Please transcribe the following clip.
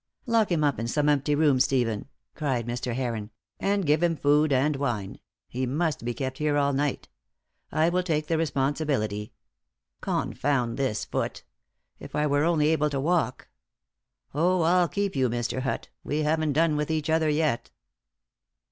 "Lock him up in some empty room, Stephen," cried Mr. Heron, "and give him food and wine; he must be kept here all night. I will take the responsibility. Confound this foot! If I were only able to walk! Oh, I'll keep you, Mr. Hutt; we haven't done with each other yet."